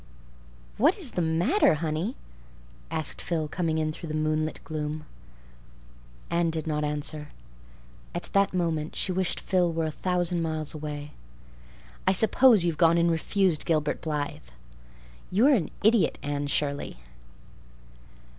"What is the matter, honey?" asked Phil, coming in through the moonlit gloom. Anne did not answer. At that moment she wished Phil were a thousand miles away. "I suppose you've gone and refused Gilbert Blythe. You are an idiot, Anne Shirley!"